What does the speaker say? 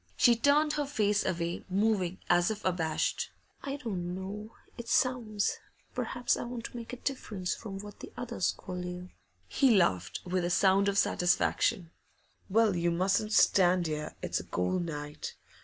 She turned her face away, moving as if abashed. 'I don't know. It sounds perhaps I want to make a difference from what the others call you.' He laughed with a sound of satisfaction. 'Well, you mustn't stand here; it's a cold night.